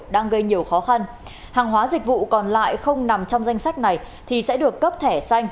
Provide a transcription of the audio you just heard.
đang gây nhiều khó khăn hàng hóa dịch vụ còn lại không nằm trong danh sách này thì sẽ được cấp thẻ xanh